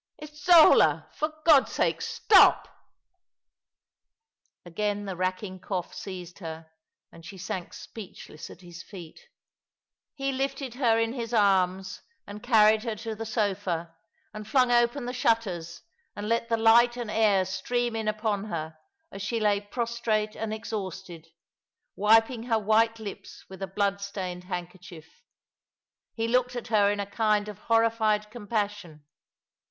" Isola, for Grod's sake, stop 1 " Again the racking cough seized her, and she sank speech less at his feet. He lifted her in his arms and carried her to the sofa, and flung open the shutters and let the light and air stream in upon her, as she lay prostrate and exhausted, wiping her white lips with a blood stained handkerchief. He looked at her in a kind of horrified compassion.